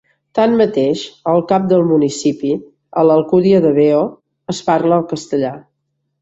Tanmateix, al cap del municipi, a l'Alcúdia de Veo, es parla el castellà.